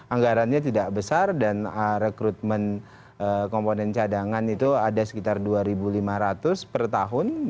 anggarannya tidak besar dan rekrutmen komponen cadangan itu ada sekitar dua lima ratus per tahun